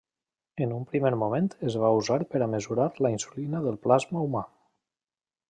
En un primer moment es va usar per a mesurar la insulina del plasma humà.